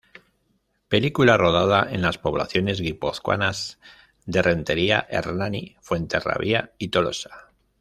Película rodada en las poblaciones guipuzcoanas de Rentería, Hernani, Fuenterrabía y Tolosa.